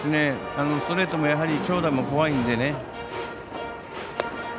ストレートもやはり長打も怖いので。